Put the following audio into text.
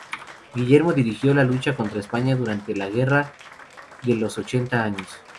Guillermo dirigió la lucha contra España durante la Guerra de los Ochenta Años.